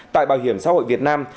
tại bảo hiểm xã hội việt nam